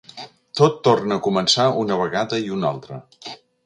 Tot torna a començar una vegada i una altra.